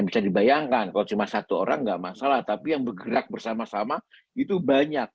bisa dibayangkan kalau cuma satu orang nggak masalah tapi yang bergerak bersama sama itu banyak